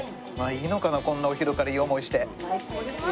いいのかなこんなお昼からいい思いして。